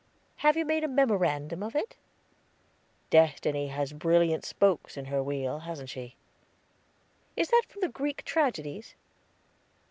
"Have you made a memorandum of it?" "Destiny has brilliant spokes in her wheel, hasn't she?" "Is that from the Greek tragedies?"